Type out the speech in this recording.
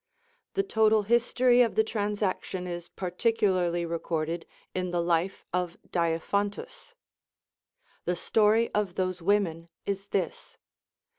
The total history of the transaction is particularly recorded in the Life of Daiphantus. The story of those women is this.